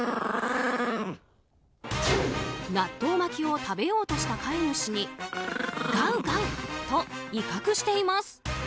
納豆巻きを食べようとした飼い主にガウガウと威嚇しています。